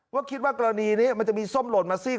ว่าคิดว่ากรณีนี้มันจะมีส้มหล่นมาซีก